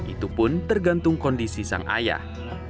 itu pun tergantung kondisi sang ayah